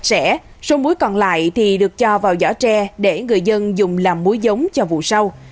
cái còn lại thì được cho vào giỏ tre để người dân dùng làm muối giống cho vụ sau